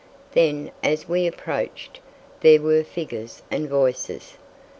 Then, as we approached, there were figures and voices.